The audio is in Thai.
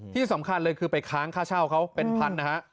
ที่สำคัญเลยคือไปค้างค่าเช่าเขาเป็นพันนะฮะ